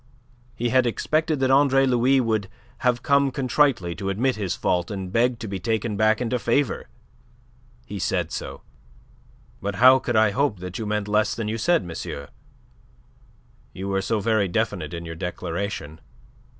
He had expected that Andre Louis would have come contritely to admit his fault and beg to be taken back into favour. He said so. "But how could I hope that you meant less than you said, monsieur? You were so very definite in your declaration.